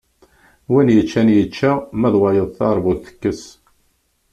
Win yeččan yečča, ma d wayeḍ teṛbut tekkes.